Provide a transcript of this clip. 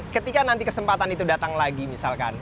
ketika nanti kesempatan itu datang lagi misalkan